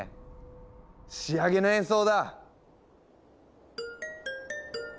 仕上げの演奏だ！